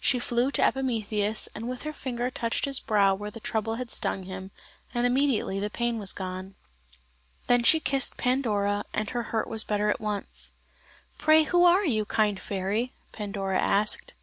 She flew to Epimetheus and with her finger touched his brow where the trouble had stung him, and immediately the pain was gone. Then she kissed Pandora, and her hurt was better at once. [Illustration: OUT FLEW A BRIGHT SMILING LITTLE FAIRY.] "Pray who are you, kind fairy?" Pandora asked.